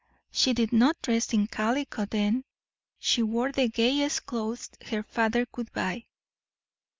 She did not dress in calico then. She wore the gayest clothes her father could buy.